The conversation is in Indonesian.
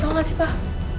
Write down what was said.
kau gak sih pak